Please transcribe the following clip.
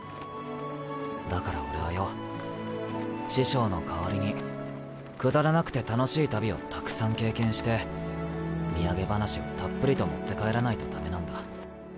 だから俺はよ師匠の代わりにくだらなくて楽しい旅をたくさん経験して土産話をたっぷりと持って帰らないとダメなんだ。